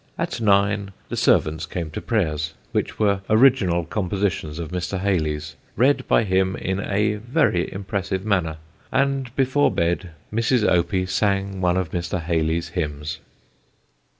At nine, the servants came to prayers, which were original compositions of Mr. Hayley's, read by him in a very impressive manner, and before bed, Mrs. Opie sang one of Mr. Hayley's hymns.